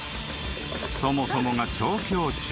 ［そもそもが調教中］